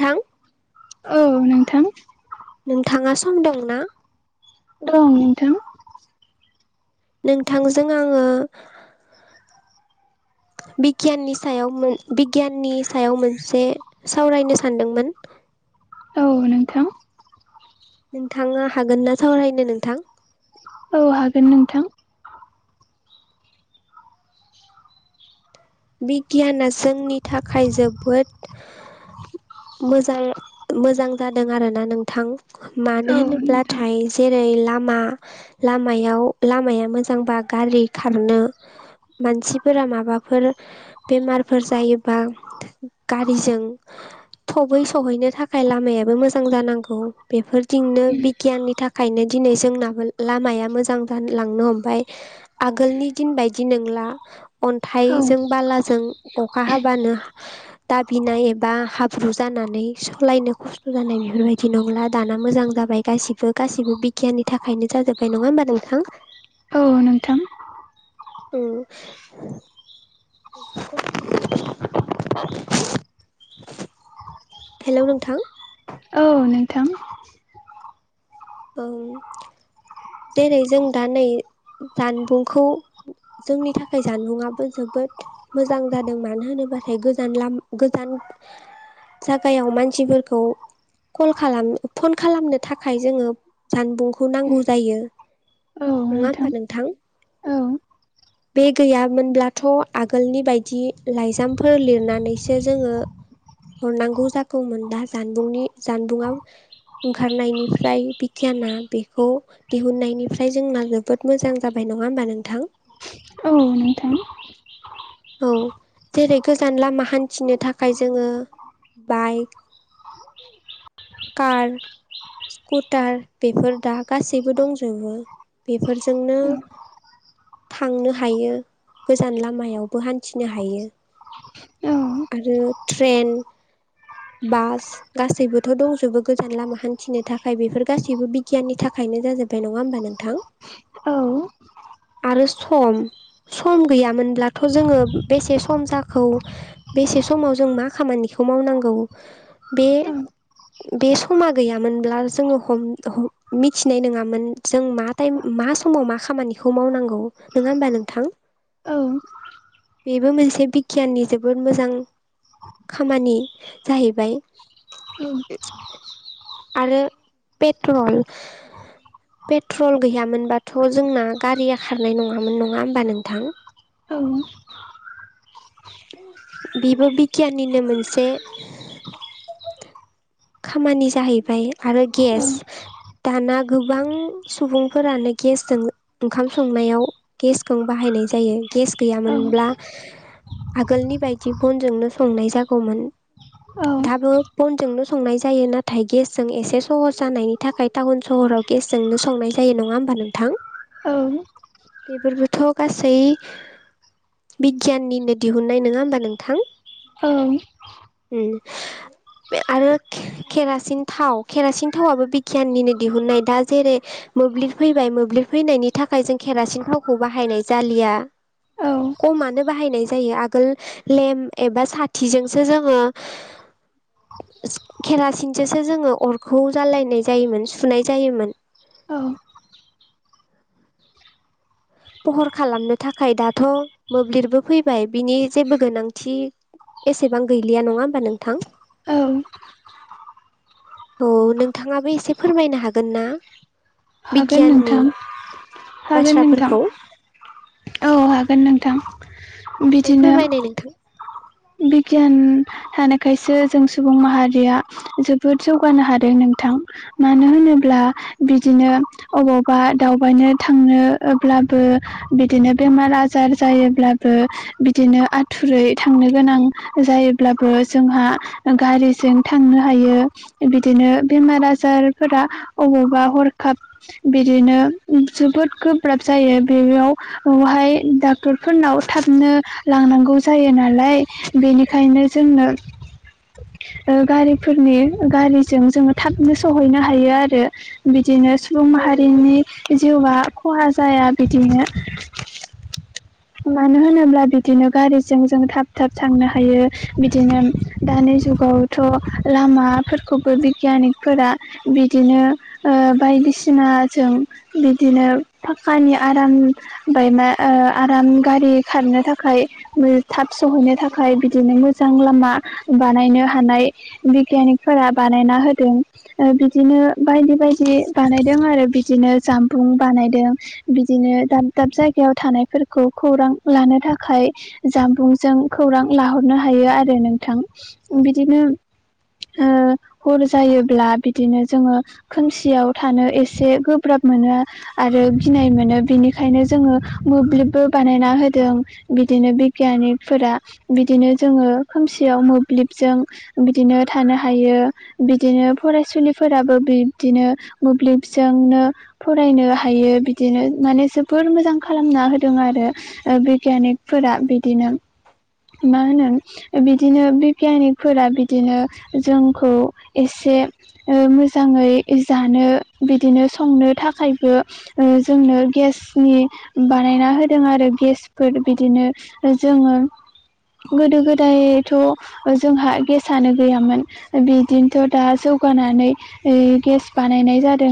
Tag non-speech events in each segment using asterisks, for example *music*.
नोंथां औ नोंथां। नोंथाङा सम दं ना? दं नोंथां। नोंथांजों आङो बिगियाननि सायाव मोन बिगियाननि सायाव मोनसे सावरायनो सानदोंमोन। *inaudible* औ नोंथां। आङो हागोन ना सावरायनो नोंथां? औ हागोन नोंथां। बिगियाना जोंनि थाखाय जोबोद मोजाय मोजां जादों आरोना नोंथां। औ मानो नोंथां होनोब्लाथाय जेरै ला मा लामायाव लामाया मोजांबा गारि खारनो मानसिफोरा माबाफोर बेमारफोर जायोबा गारिजों थबै सहैनो थाखाय लामायाबो मोजां जानांगौ बेफोर थिंनो बिगियाननि थाखायनो दिनै जोंनाबो लामाया मोजां जालांनो हमबाय आगोलनि दिन बादि नंला अन्थाइ औ जों बालाजों अखा हाबानो दाबिनाय एबा हाब्रु जानानै सलायनो खस्थ' जानाय बेफोरबायदि नंला दाना मोजां जाबाय गासिबो गासिबो बिगियाननि थाखायनो जाजोब्बाय नङा होमबा नोंथां? औ नोंथां। औ *unintelligible* हेलौ नोंथां? औ नोंथां ओं जेरै जों दा नै जानबुंखौ जोंनि थाखाय जानबुंआबो जोबोद मोजां जादों मानो होनो बाथाय गोजान लाम गोजान जागायाव मानसिफोरखौ कल खालाम फन खालामनो थाखाय जोङो जानबुंखौ नांगौ जायो नङा होमबा नोंथां? औ बे गैयामोनब्लाथ' आगोलनि बायदि लाइजामफोर लिरनानैसो जोङो हरनांगौ जागौमोन दा जानबुंनि जानबुङाव ओंखारनायनिफ्राय बि गियाना बेखौ दिहुननायनिफ्राय जोंना जोबोद मोजां जाबाय नङा होमबा नोंथां? औ नोंथां। औ जेरै गोजान लामा हान्थिनो थाखाय जोङो बाइक कार स्कुटार बेफोर दा गासैबो दंजोबो बेफोरजोंनो औ थांनो हायो गोजान लामायावबो हान्थिनो हायो। औ आरो ट्रेन बास गासैबो थ' दंजोबो गोजान लामा हान्थिनो थाखाय बेफोर गासैबो बिगियाननि थाखायनो जाजोब्बाय नङा होमबा नोंथां? औ आरो सम सम गैयामोनब्लाथ' जोङो बेसे सम जाखो बेसे समाव जों मा खामानि खौ मावनांगौ बे औ बे समा गैयामोनब्ला जोङो हम हम मिथिनाय नङामोन जों मा टाइम मा समाव मा खामानिखौ मावनांगौ नङा होमबा नोंथां? औ बेबो मोनसे बिगियाननि जोबोद मोजां खामानि जाहैबाय। औ आरो पेट्रल पेट्रल गैयामोनबाथ' जोंना गारिया खारनाय नङामोन नङा होमबा नोंथां? औ बेबो बिगियाननिनो मोनसे खामानि जाहैबाय आरो गेस दाना गोबां सुबुंफोरानो गेसजों ओंखाम संनायाव गेसखौ बाहाय नाय जायो। गेस गैयामोनब्ला आगोलनि बायदि बनजोंनो संनाय जागौमोन। दाबो बनजोंनो' संनाय जायो नाथाय गेसजों एसे सहस जानायनि थाखाय टाउन सहराव गेस जोंनो संनाय जायो नङा होमबा नोंथां? औ बेफोरबोथ' गासै बिगियाननिनो दिहुननाय नङा होमबा नोंथां? ओं ओम आरो केरासिन थाव केेरासिन थावाबबो बिगियाननिनो दिहुननाय दा जेरै' मोब्लिब फैबाय मोब्लिब फैनायनि थाखाय जों केरासिन थावखौ बाहनाय जालिया खमनो बाहायनाय जायो आगोल लेम एबा साथिजोंसो जोङो केरासिनजोंसो जोङो अरखौ जालायनाय जायोमोन सुनाय जायोमोन। फहर खालामनो थाखाय दाथ' मोब्लिबबो फैबाय बिनि जेबो गोनांथि एसेबां गैलिया नङा होमबा नोंथां? औ औ नोंथाङाबो एसे फोरमायनो हागोन ना? हागोन बिगियाननि नोंथां हागोन नोंथां बाथ्राफोरखौ औ हागोन नोंथां औ बिदिनो फोरमायनाय नोंथां? बिगियान हानायखायसो जों सुबुं माहारिया जोबोद जौगानो हादों नोंथां मानो होनो होब्ला बिदिनो अबावबा दावबायनो थांनोब्लाबो बिदिनो बेमार आजाय जायोब्लाबो बिदिनो आथुरै थांनो गोनां जायोब्लाबो जोंहा गारिजों थांनो हायो बिदिनो बेमार आजारफोरा अबावबा हरखाब बिदिनो जोबोद गोब्राब जा आयो बेयाव औहाय डाक्टर फोरनाव थाबनो लांनांगौ जायो नालाय बेनिखायनो जोंनो ओ गारिफोरनि गारिजों जोङो थाबनो सहैनो हायो आरो बिदिनो सुबुं माहारिनि जिउआ खहा जाया बिदिनो मानो होनोब्ला बिदिनो गारिजों जों थाब थाब थांनो हायो बिदिनो दानि जुगावथ' लामाफोरखौबो बिगियान गानिग फोरा बिदिनो ओ बायदि सिना जों बिदिनो फाख्खा आंनि आराम बायमा ओ आराम गारि खारनो थाखाय ओ थाब सहैनो थाखाय बिदिनो मोजां लामा बानायनो हानाय बिगियानिकफोरा बानायना ना होदों बिदिनो बायदि बायदि बानायदों आरो बिदिनो जामबुं बानायदों बिदिनो दाब दाब जायगायाव थानायफोरखौ खौरां लानो थाखाय जाबुं जों खौरां लाहरनो हायो आरो नोंथां। बिदिनो ओ हर' जायोब्ला बिदिनो जोङो खोमसियाव थानो एसे गोब्राब मोनो आरो गिनाय मोनो बिनिखायनो जोङो मोब्लिबबो बानायना होदों बिदिनो बिगियानि फोर बिदिनो जोङो खोमसियाव मोब्लिबजों बिदिनो थानो हायो। बिदिनो फरायसुलिफोराबो बिब्दिनो मोब्लिबजोंनो फरायनो हायो। बिदिनो माने जोबोर मोजां खालामना होदों आरो बिगियानिकफोरा बिदिनो। *inaudible* मा होनो बिदिनो बिगियानि फोरा बिदिनो जोंखौ एसे ओ मोजाङै जानो बिदिनो संनो थाखायबो ओ जोंनो गेसनि बानायना होदों आरो गेसफोर बिदिनो जोङो *inaudible* गोदो गोदायथ' ओ जोंहा गेसानो गैयामोन बिदिनोथ' दा जौगानाय *unintelligible* नानै ओ गेस बानायनाय जादों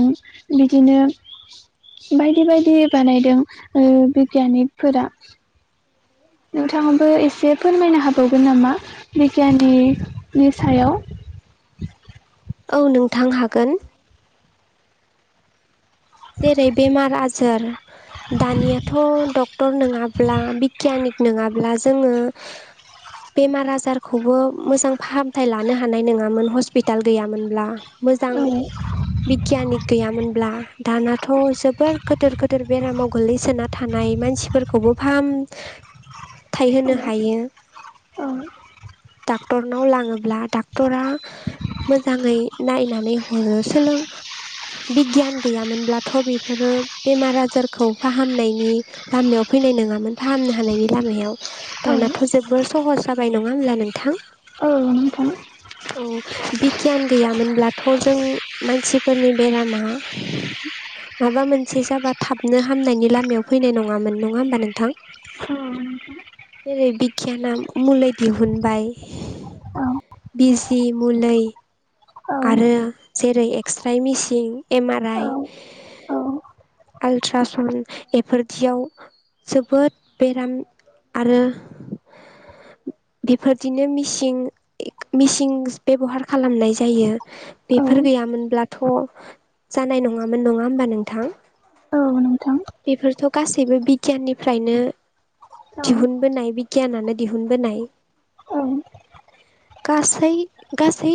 बिदिनो बायदि बायदि बानायदों ओ बिगियानिफोरा नोंथाङाबो एसे फोरमायनो हाबावगोन नामा बिगियानि नि सायाव औ नोंथां हागोन जेरै बेमार आजार दानियाथ' डक्टर नोङाब्ला बिगियानि नोङाब्ला जोङो बेमार आजारखौबो मोजां फाहामथाय लानो हानाय नोङामोन हस्पिटाल गैयामोनब्ला मोजां औ बिगियानिक गैयामोनब्ला दानाथ' जोबोर गोदोर गोदोर बेरामाव गोलैसोना थानाय मानसिफोरखौबो फाहाम थाइहोनो हायो। ओ *unintelligible* डाक्टरनाव लाङोब्ला डाक्टरा मोजाङै नायनानै हरो सोलों बिगियान गैयामोनब्लाथ' बेफोरो बेमार आजारखौ फाहामनायनि लामायाव फै नाय नङामोन फाहामनो हानायनि लामायाव दानाथ' जोबोर सहस जाबाय नङा होमब्ला नोंथां। औ नोंथां औ बिगियान गैयामोनब्लाथ' जों मानसि फोरनि बेरामा माबा मोनसे जाबा थाबनो हामनायनि लामायाव फैनाय नङामोन नङा होमबा नोंथां। *unintelligible* जेरै बिगियाना मुुलै दिहुनबाय बिजि मुलै औ आरो जेरै एक्स्राय मिसिं एम आर आइ औ आल्ट्राासान्ड बेफोरदियाव जोबोद बेराम आरो बेफोरदिनो मिसिं *unintelligible* मिसिं बेबहार खालामनाय जायो औ बेफोर गैयामोनब्लाथ' जानाय नङामोन नङा होमबा नोंथां। औ नोंथां बेफोरथ' गासैबो बिगियाननिफ्रायनो औ दिहुनबोनाय बि गियानानो दिहुनबोनाय औ गासै - गासै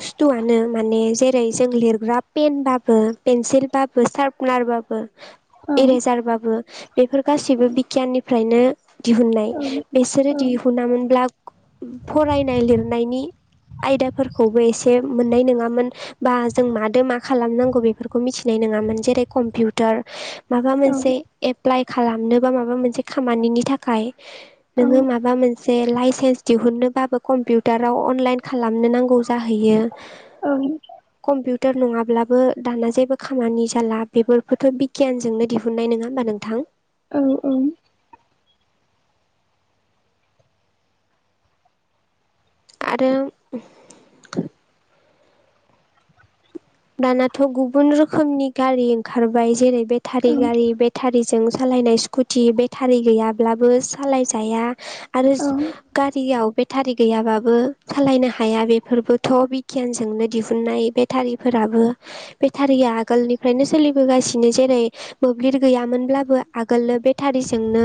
बुस्थुआनो माने जेरै जों लिरग्रा पेन बाबो पेन्सिल बाबो सार्पनार बा बो औ इरेजारबाबो बेफोर गासिबो बिगियाननिफ्रायनो दिहुननाय औ बेसोरो औ दि हुुनामोनब्ला *unintelligible* फरायनाय लिरनायनि आयदाफोर खौबो एसे मोननाय नङामोन बा जों मादो मा खालामनांगौ बेफोरखौ मिथिनाय नङामोन जेरै कम्पिउटार माबा औ औ मोनसे एप्लाइ खालामनो बा माबा मोनसे खामानिनि थाखाय नोङो माबा मोनसे लाइसेन्स दिहुननोबाबो कम्पिउटाराव अनलाइन खालामनो नांगौ जाहैयो औ ट' नङाब्लाबो दाना जेबो खामानि जाला बेफोरखौथ' बिगियानजोंनो दिहुननाय नोङा होमबा नोंथां औ औ आरो *unintelligible* दानाथ' गुबुन रोखोमनि गारि ओंखारबाय जेरै बेटारि गारि बेटारिजों सालाय लायनाय स्कुटि बेटारि गैयाब्लाबो सालायजाया आरो गारियाव बेटारि गैयाबाबो सालायनो हाया बेफोरबोथ' बिगियानजोंनो दिहुननाय बेटारि फोराबो बेटारिया आगोलनिफ्रायनो सोलिबोगासिनो जेरै मोब्लिब गैयामोनब्लाबो आगोलनो बेटारिजोंनो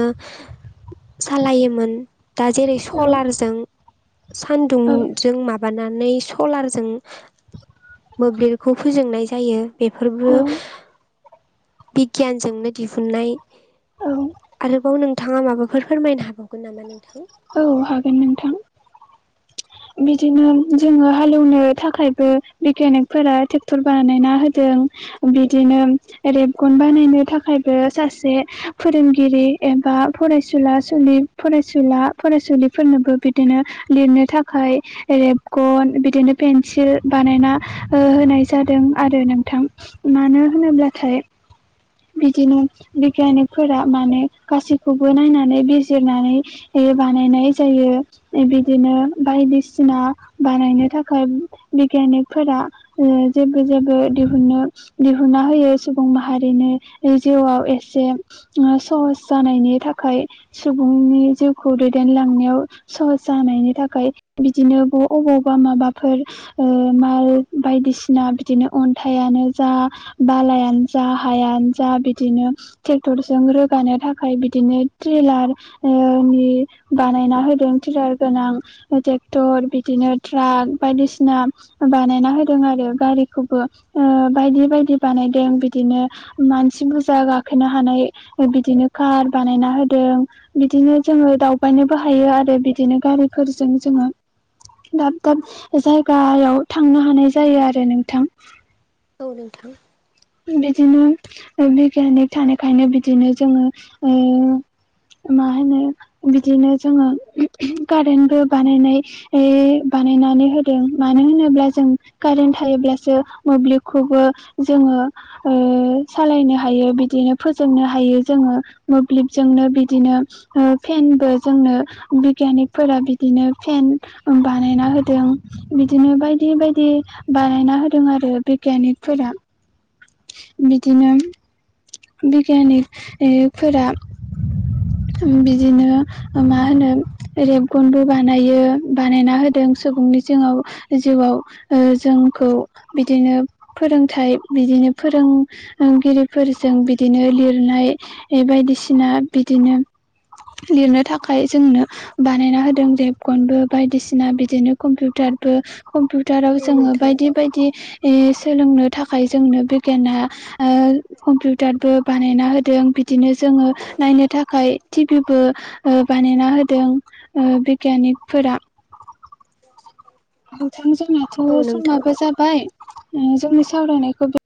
सालायोमोन दा जेरै सलारजों सानदुंजों माबा नानै सलारजों मोब्लिबखौ फोजोंनाय जायो बेफोरबो बिगियानजोंनो दिहुननाय औ आरोबाव नोंथाङा माबाफोर फोरमायनो हाबावगोन नामा नोंथां औ हागोनन नोंथां बिदिनो जोङो हालेवनो थाखायबो बिगियानिकफोरा ट्रेक्टर बानायना होदो बिदिनो रेबगन बानायनो थाखायबो सासे फोरोंगिरि बा फरायला फरायला फरायसुलिफोरनोबो बिदिनो लिरनो थाखाय ओमफाय रेबगन बिदिनो पेन्सिल बानायना होनाय जादों आरो नों थां मानो होनोब्लाथाय बिदिनो बिगियानिकफोरा माने गासैखौबो नायनानै बिजिरनानै बे बानायनाय जायो बिदिनो बायदिसिना बानायनो थाखाय बिगियानिकफोरा जेबो जेबो दिहुन्नो दिहुनना होयो सुबुं माहारिनि जिउआव एसे सह स जानायनि थाखाय सुबुंनि जिउखौ दैदेनलांनायाव सहस जानायनि थाखाय बिदिनो ब अबावबा माबाफोर ओ माल बायदिसिना बिदिनो अन्थाइ नो जा बालायानो जा हायानो जा बिदिनो ट्रेक्टरजों रोगानो थाखाय ओमफ्राय बिदिनो ट्रिलार नि बानायना होदों ट्रिलार गोनां ट्रेक्टर बिदिनो ट्राक बायदिसिना बानायना होदों आरो गारिखौबो बायदि बायदि बानायदों बिदिनो मानसि बुरजा गाखोनो हानाय बिदिनो खार बानायना होदों बिदिनो जोङो दावबायनो ब हायो आरो बिदिनो गारिफोर जों जोङो दाब दाब जायगायाव थांनो हानाय जायो आरो नोंथां औ नोंथां बिदिनो बिगियानिक थानायखायनो बिदिनो जोङो ओ मा होनो बिदिनो जोङो कारेन्टबो बानायनाय बानायनानै होदों मानो होनोब्ला जों कारेन्ट थायोब्लासो मोब्लिबखौबो जोङो ओ सालायनो हायो बिदिनो फोजोंनो हायो जोङो मोब्लिबजोंनो बिदिनो ओ फेनबो जोंनो बिगिनिकफोरा बिदिनो फेन बानायना होद दों बिदिनो बायदि बायदि बानायना होदों आरो बिगियानिकफोरा बिदिनो बिगियानिग ओ फोरा *inaudible* बिदिनो मा होनो रेबगन बानायो बानायना होदों सुबुंनि जों जिवाव ओ जोंखौ बिदिनो फोरोंथाय बिदिनो फोरोंगिरिफोरजों बिदिनो लिरनाय बायदिसिना बिदिनो लिरनो थाखाय जोंनो बानायना होदों रेबकनबो बायदिसिना बिदिनो कम्पिउटार कमपिउटाराव औ जोङो नोंथां बायदि बायदि सोलोंनो थाखाय जोंनो जोना ओ कम्पिउटारबो बानायना होदों बिदिनो जोङो नायनो थाखाय टिभिबो ओ बानायना होदों ओ बिगियानिकफोरा नोंथां जोंनाथ' औ नोंथां समाबो जाबाय जोंनि सावरायनायखौ